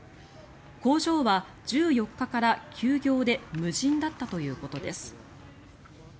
工場は１４日から休業で無人だったということです。